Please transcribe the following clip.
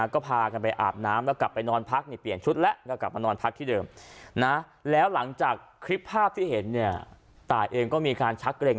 กับไปนอนพักนั่นชุดละก็กลับมานอนพักที่เดิมนะแล้วหลังจากคลิปภาพที่เห็นเนี่ยตายเองก็มีการชักเกร็ง